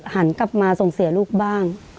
หันกลับมาส่งเสียลูกบ้าง